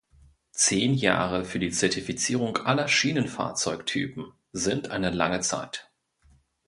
Zehn Jahre für die Zertifizierung aller Schienenfahrzeugtypen sind eine lange Zeit.